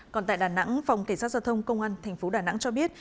còn tại đà nẵng phòng cảnh sát giao thông công an tp đà nẵng cho biết